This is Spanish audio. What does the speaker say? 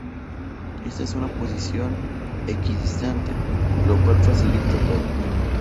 Está en una posición equidistante, lo cual facilita todo.